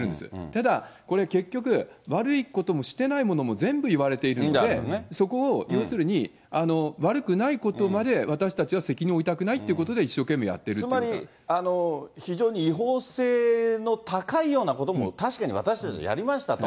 ただ、これ結局、悪いこともしてないことも全部言われているので、そこを要するに悪くないことまで私たちは責任を負いたくないってことで、つまり、非常に違法性の高いようなことも確かに私たちやりましたと。